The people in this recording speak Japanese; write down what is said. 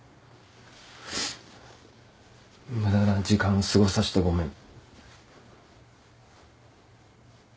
無駄な時間過ごさしてごめん。